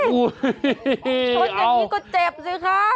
อู้หี้ให้กดเจ็บซิครับ